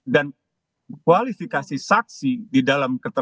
dan kualifikasi saksi di dalam